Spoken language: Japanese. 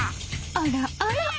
あらあら。